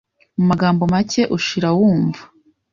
Mu magambo make, ushira wumva.